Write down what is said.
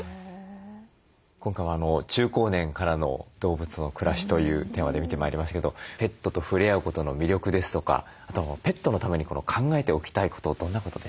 今回は中高年からの動物との暮らしというテーマで見てまいりましたけどペットとふれあうことの魅力ですとかあとはペットのために考えておきたいことどんなことでしょうか？